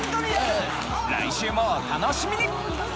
来週もお楽しみに！